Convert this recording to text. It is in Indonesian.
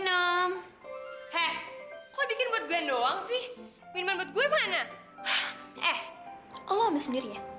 eh lo ambil sendirinya